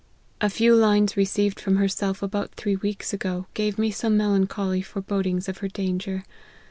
A few lines received from herself about three weeks ago, gave me some melancholy forebodings of her danger.